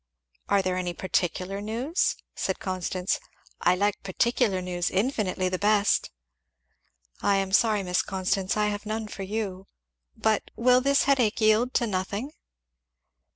"Are there any particular news?" said Constance. "I like particular news infinitely the best!" "I am sorry, Miss Constance, I have none for you. But will this headache yield to nothing?"